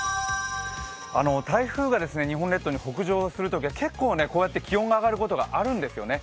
台風が日本列島に北上するときは結構、こうやって気温が上がることがあるんですよね。